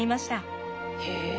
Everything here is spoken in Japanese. へえ